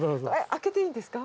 開けていいんですか？